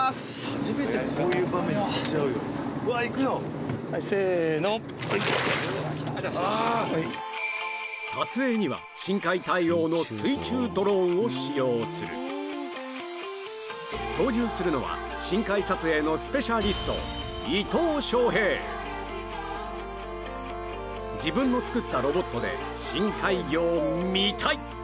初めてこういう場面に立ち会うようわっ行くよせのはい撮影には深海対応の水中ドローンを使用する操縦するのは深海撮影のスペシャリスト伊藤昌平自分の作ったロボットで深海魚を見たい！